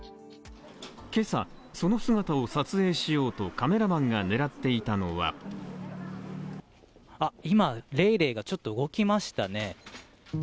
今朝、その姿を撮影しようとカメラマンが狙っていたのは今、レイレイがちょっと動きましたね。